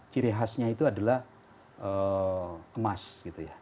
ciri khasnya itu adalah emas gitu ya